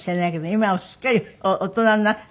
今はすっかり大人になって。